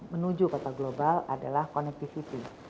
menuju kota global adalah connectivity